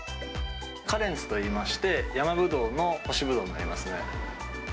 カレンツといいまして、山ブドウの干しブドウになりますね。